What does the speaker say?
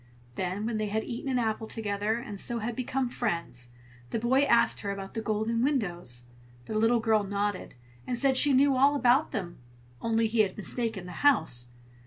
Then when they had eaten an apple together, and so had become friends, the boy asked her about the golden windows. The little girl nodded, and said she knew all about them, only he had mistaken the house.